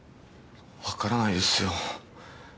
わからないですよ。